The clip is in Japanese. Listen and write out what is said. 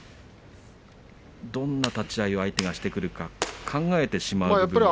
どんな立ち合いを相手がしてくるか考えてしまうと。